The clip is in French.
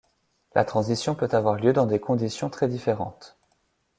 La transition peut avoir lieu dans des conditions très différentes.